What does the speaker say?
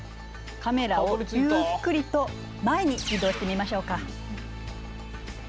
カメラをゆっくりと前に移動してみましょうか。